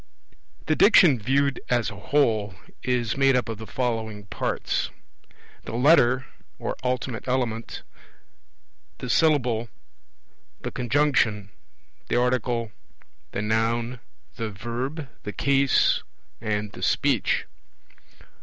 20 The Diction viewed as a whole is made up of the following parts: the Letter (or ultimate element), the Syllable, the Conjunction, the Article, the Noun, the Verb, the Case, and the Speech.